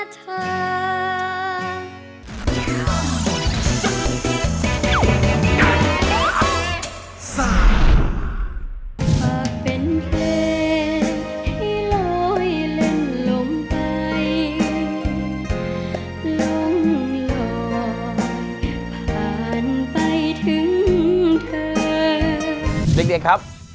เด็กครับ